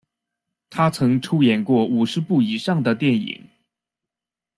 他曾出演过五十部以上的电影。